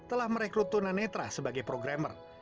telah merekrut tunanetra sebagai programmer